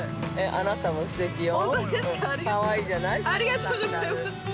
◆あなたもすてきよ。